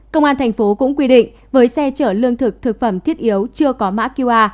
công an thành phố cũng quy định với xe chở lương thực thực phẩm thiết yếu chưa có mã qr